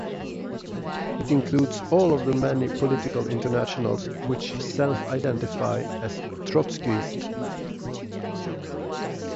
It includes all of the many political internationals which self-identify as Trotskyist.